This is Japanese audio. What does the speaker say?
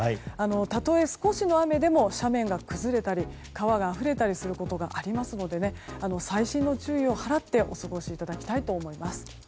たとえ少しの雨でも斜面が崩れたり川があふれたりすることがありますので細心の注意を払ってお過ごしいただきたいと思います。